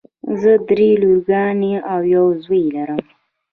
زه دری لورګانې او یو زوی لرم.